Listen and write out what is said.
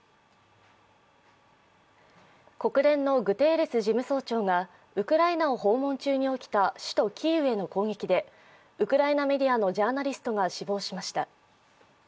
国連のグテーレス事務総長がウクライナを訪問中に起きた首都キーウへの攻撃でウクライナメディアのジャーナリストが死亡しました。